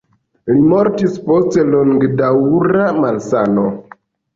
Li mortis post longdaŭra malsano.